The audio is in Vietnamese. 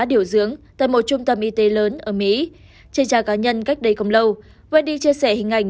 điều dưỡng tại một trung tâm y tế lớn ở mỹ trên trang cá nhân cách đây không lâu wedi chia sẻ hình ảnh